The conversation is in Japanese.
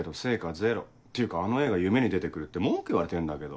ゼロっていうかあの絵が夢に出て来るって文句言われてんだけど。